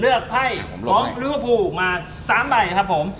เลือกไพ่ของหลุ่มหลวมบูมา๓ใบครับผม